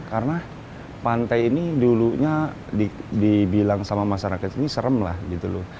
karena pantai ini dulunya dibilang sama masyarakat ini serem lah gitu loh